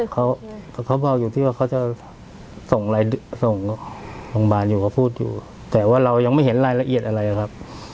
เขาบอกอยู่ที่ว่าเขาจะส่งส่งโรงพยาบาลอยู่ก็พูดอยู่แต่ว่าเรายังไม่เห็นรายละเอียดอะไรครับ